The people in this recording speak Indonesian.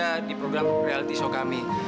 pak satria di program reality show kami